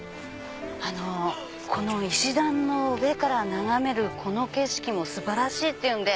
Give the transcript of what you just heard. この石段の上から眺める景色も素晴らしいっていうんで。